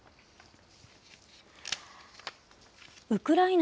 ウクライナ